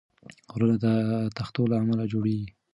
غرونه د تختو له امله جوړېږي.